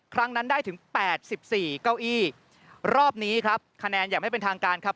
ครั้งนั้นได้ถึงแปดสิบสี่เก้าอี้รอบนี้ครับคะแนนอย่างไม่เป็นทางการครับ